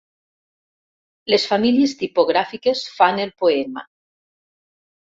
Les famílies tipogràfiques fan el poema.